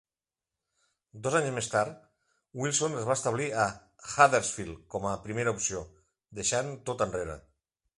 Dos anys més tard, Wilson es va establir a Huddersfield com a primera opció, deixant tot enrere.